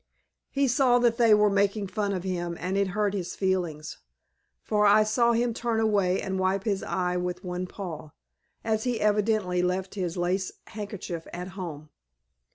He saw that they were making fun of him and it hurt his feelings, for I saw him turn away and wipe his eye with one paw, as he had evidently left his lace handkerchief at home.